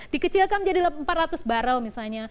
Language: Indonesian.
dikecilkan menjadi empat ratus barrel misalnya